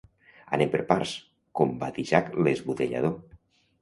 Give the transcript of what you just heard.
Anem per parts, com va dir Jack l'Esbudellador.